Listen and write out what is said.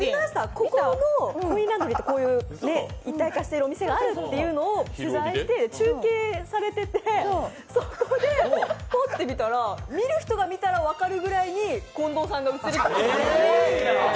ここのコインランドリーと一体化しているお店があるというのを取材して、中継されててそこでパッて見たら、見る人が見たら分かるぐらいに近藤さんが映り込んでて。